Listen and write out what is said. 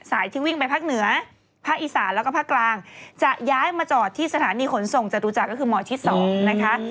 ที่วิ่งไปภาคเหนือภาคอีสานแล้วก็ภาคกลางจะย้ายมาจอดที่สถานีขนส่งจตุจักรก็คือหมอชิด๒นะคะ